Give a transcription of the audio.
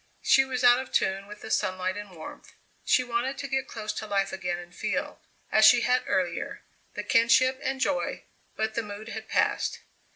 She was out of tune with the sunlight and warmth; she wanted to get close to life again and feel, as she had earlier, the kinship and joy, but the mood had passed.